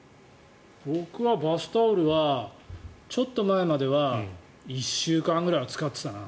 僕はバスタオルはちょっと前までは１週間ぐらいは使ってたな。